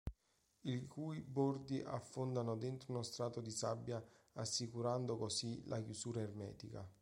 I cui bordi affondano dentro uno strato di sabbia assicurando così la chiusura ermetica.